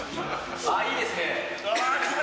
いいですね。